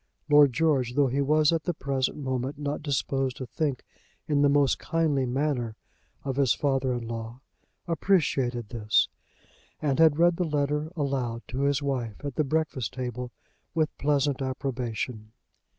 Lord George, though he was at the present moment not disposed to think in the most kindly manner of his father in law, appreciated this, and had read the letter aloud to his wife at the breakfast table with pleasant approbation.